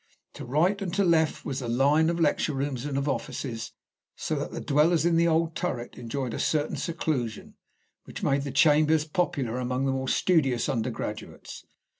To right and to left was a line of lecture rooms and of offices, so that the dwellers in the old turret enjoyed a certain seclusion, which made the chambers popular among the more studious undergraduates.